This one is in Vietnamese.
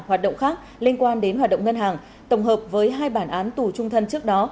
hoạt động khác liên quan đến hoạt động ngân hàng tổng hợp với hai bản án tù trung thân trước đó